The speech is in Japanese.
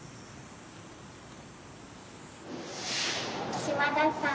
島田さん。